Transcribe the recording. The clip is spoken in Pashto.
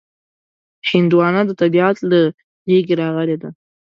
هندوانه د طبیعت له غېږې راغلې ده.